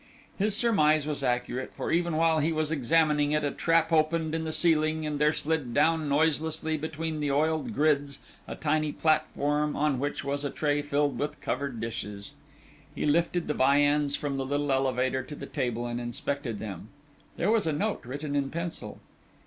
His surmise was accurate, for even while he was examining it, a trap opened in the ceiling, and there slid down noiselessly between the oiled grids a tiny platform on which was a tray filled with covered dishes. He lifted the viands from the little elevator to the table and inspected them. There was a note written in pencil.